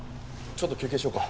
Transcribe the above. ちょっと休憩しようか。